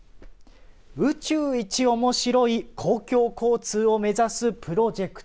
宇宙一面白い公共交通を目指すプロジェクト。